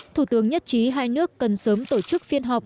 thủ tướng nhất trí hai nước cần sớm tổ chức phiên họp